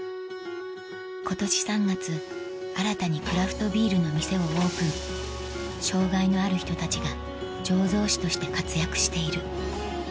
今年３月新たにクラフトビールの店をオープン障がいのある人たちが醸造士として活躍している